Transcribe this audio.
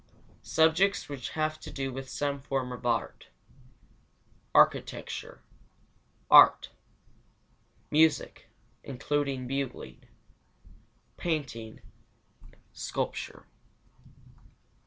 VII. Subjects which have to do with some form of art. 1. Architecture. 2. Art. 3. Music (including Bugling). 4. Painting. 5. Sculpture.